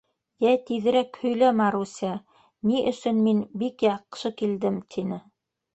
— Йә, тиҙерәк һөйлә, Маруся, ни өсөн мин бик яҡшы килдем? — тине.